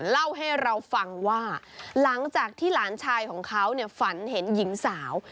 เล่าให้เราฟังว่าหลังจากที่หลานชายของเขาฝันเห็นหญิงสาว